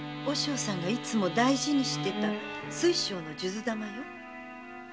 和尚さんがいつも大事にしていた水晶の数珠玉よ。